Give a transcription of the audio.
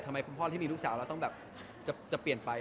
ทำไมพ่อที่มีลูกสาวแล้วจะเปลี่ยนไป